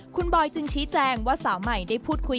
คุณบอยจึงชี้แจงว่าสาวใหม่ได้พูดคุย